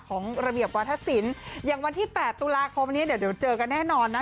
ของระเบียบวาทศิลป์อย่างวันที่๘ตุลาคมนี้เดี๋ยวเจอกันแน่นอนนะ